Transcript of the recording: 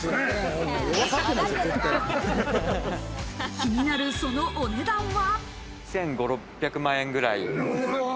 気になるそのお値段は。